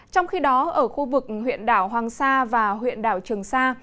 trong khi đó ở khu vực huyện đảo hoàng sa và huyện đảo trường sa